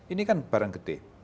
ini kan barang gede